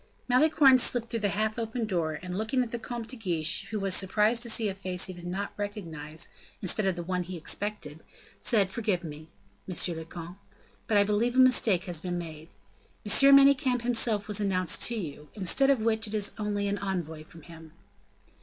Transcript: Malicorne slipped through the half open door, and looking at the Comte de Guiche, who was surprised to see a face he did not recognize, instead of the one he expected, said: "Forgive me, monsieur le comte, but I believe a mistake has been made. M. Manicamp himself was announced to you, instead of which it is only an envoy from him."